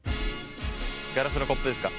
ガラスのコップですか。